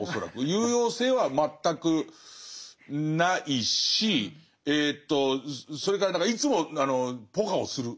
有用性は全くないしえとそれから何かいつもポカをする。